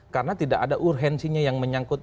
karena tidak ada urgensinya yang menyangkut